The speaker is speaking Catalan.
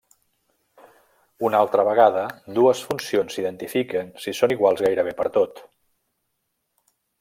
Una altra vegada dues funcions s'identifiquen si són iguals gairebé pertot.